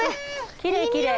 きれいきれい。